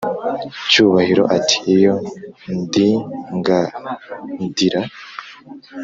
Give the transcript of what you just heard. cyubahiro ati"iyo ndigandira